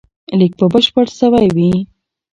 لیک به بشپړ سوی وي.